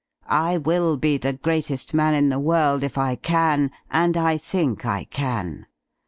I will be the greatest man in the world if I can ; and I think I can.